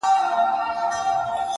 شکر دی گراني چي زما له خاندانه نه يې ـ